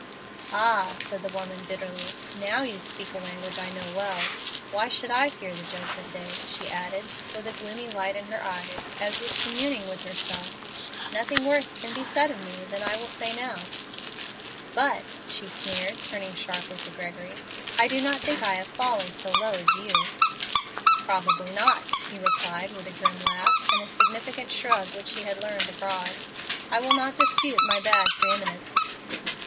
"Ah," said the woman, bitterly, "now you speak a language I know well. Why should I fear the judgment day?" she added, with a gloomy light in her eyes, as if communing with herself. "Nothing worse can be said of me than I will say now. But," she sneered, turning sharply to Gregory, "I do not think I have fallen so low as you." "Probably not," he replied, with a grim laugh, and a significant shrug which he had learned abroad. "I will not dispute my bad pre eminence.